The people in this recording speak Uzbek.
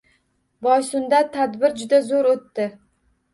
Boysunda tadbir juda zo‘r o‘tdi